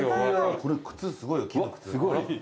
これ靴すごいよ。